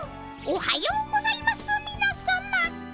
おはようございますみなさま。